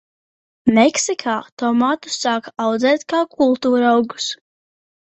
Meksikā tomātus sāka audzēt kā kultūraugus.